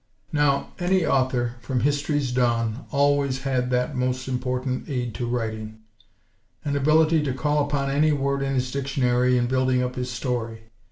Now, any author, from history's dawn, always had that most important aid to writing: an ability to call upon any word in his dictionary in building up his story.